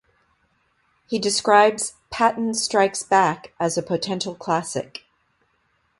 He described "Patton Strikes Back" as "a potential classic".